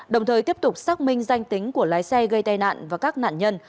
đồng thời tiếp tục xác minh danh tính của lái xe gây tai nạn và các nạn nhân